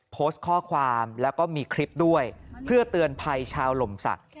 โพสต์ข้อความแล้วก็มีคลิปด้วยเพื่อเตือนภัยชาวหล่มศักดิ์